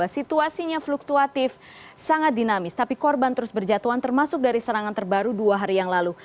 situasinya fluktuatif sangat dinamis tapi korban terus berjatuhan termasuk dari serangan terbaru dua hari yang lalu